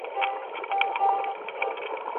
آيا خاوند ته له ميرمني څخه استمتاع حلاله ده؟